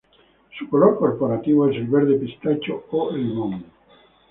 Su color corporativo es el verde pistacho o limón.